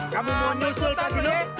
kamu mau nyusul pak grino